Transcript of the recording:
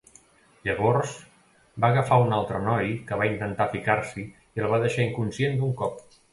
Llavors va agafar un altre noi que va intentar ficar-s'hi i el va deixar inconscient d'un cop.